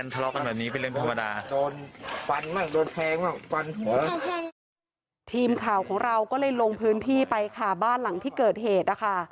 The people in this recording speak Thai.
ทีมข่าวของเราก็เลยลงพื้นที่ไปค่ะบ้านหลังที่เกิดเหตุนะคะ